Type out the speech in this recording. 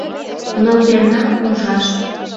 Но перна ужаш